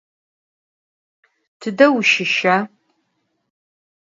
Tıde vuşışa?